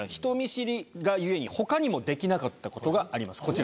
人見知りが故に他にもできなかったことがあります。